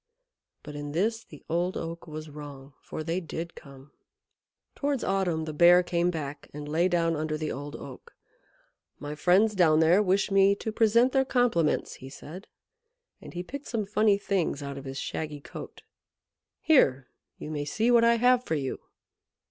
But in this the Old Oak was wrong, for they did come. Towards autumn the Bear came back and lay; down under the Old Oak. "My friends down there wish me to present their compliments," he said, and he picked some funny things out of his shaggy coat. "Here you may see what I have for you."